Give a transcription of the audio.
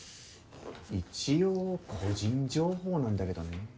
一応個人情報なんだけどね。